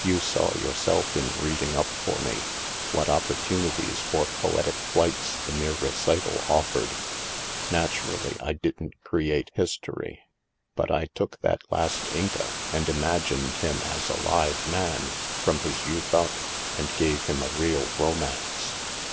You saw, yourself, in reading up for me, what opportunities for poetic flights the mere recital offered. Naturally, I didn't create history. But I took that last Inca and imagined him as a live man, from his youth up, and gave him a real ro mance.